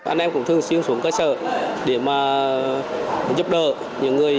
anh em cũng thường xuyên xuống các xã để mà giúp đỡ những người